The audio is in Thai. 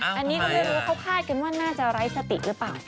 อันนี้เขาพูดว่าเข้าพลาดกันว่าน่าจะร้ายสติหรือเปล่า